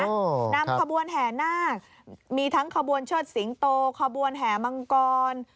นำขบวนแห่นาคมีทั้งขบวนเชิดสิงโตขบวนแห่มังกร